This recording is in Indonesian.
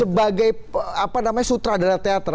sebagai apa namanya sutradara teater